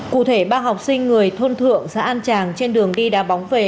cụ thể ba học sinh người thôn thượng xã an tràng trên đường đi đá bóng về